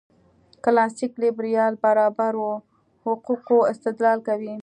کلاسیک لېبرال برابرو حقوقو استدلال کوي.